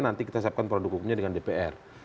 nanti kita siapkan produk hukumnya dengan dpr